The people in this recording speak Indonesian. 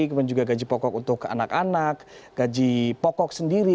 kemudian juga gaji pokok untuk anak anak gaji pokok sendiri